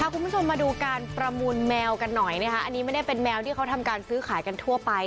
คุณผู้ชมมาดูการประมูลแมวกันหน่อยนะคะอันนี้ไม่ได้เป็นแมวที่เขาทำการซื้อขายกันทั่วไป